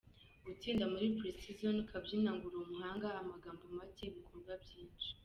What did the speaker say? Gutsinda muri pre-season ukabyina ngo uri umuhanga? Amagambo make ibikorwa byinshi.